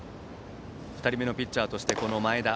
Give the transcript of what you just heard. ２人目のピッチャーとして前田。